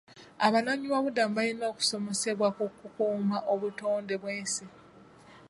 Abanoonyiboobubudamu balina okusomesebwa ku kukuuma obutonde bw'ensi.